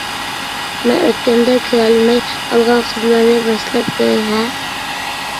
مەن ئۆتكەندە كىرەلمەي قالغان قىزلارنى باشلاپ كىرەي ھە.